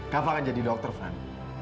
kava kan jadi dokter van